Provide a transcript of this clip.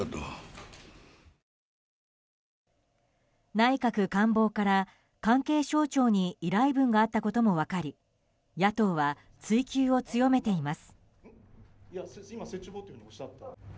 内閣官房から関係省庁に依頼文があったことも分かり野党は追及を強めています。